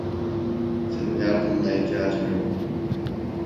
Senin yardımına ihtiyacım yok.